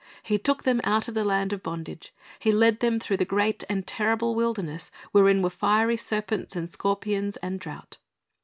He took them out of the land of bondage. He led them through the "great and terrible wilderness, wherein were fiery serpents, and scorpions, and drought."